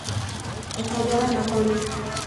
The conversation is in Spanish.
Ensayaban en la Col.